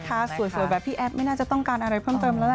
สวยแบบพี่แอฟไม่น่าจะต้องการอะไรเพิ่มเติมแล้วล่ะ